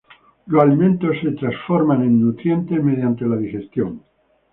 Los alimentos son transformados en nutrientes mediante la digestión.